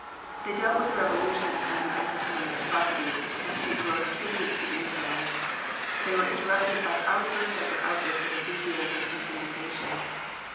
They dealt with the revolution and the anti Semitic atrocities, and paid glowing tributes to the new comers. They were interrupted by outburst after outburst of enthusiasm and indignation.